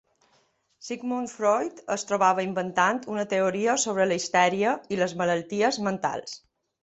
Sigmund Freud es trobava inventant una teoria sobre la histèria i les malalties mentals.